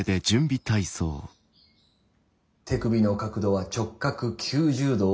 手首の角度は直角９０度を保つ。